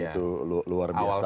itu luar biasa